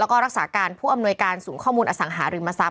แล้วก็รักษาการผู้อำนวยการศูนย์ข้อมูลอสังหาริมทรัพ